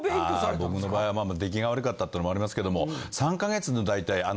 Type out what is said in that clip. あ僕の場合は出来が悪かったっていうのもありますけども。